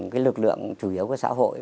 cái lực lượng chủ yếu của xã hội